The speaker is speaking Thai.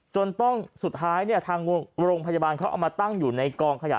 จนต้องสุดท้ายเนี่ยทางโรงพยาบาลเขาเอามาตั้งอยู่ในกองขยะ